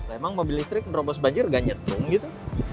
emang mobil listrik berobos banjir gak nyetrum gitu